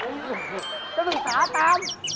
นักศึกษาตาม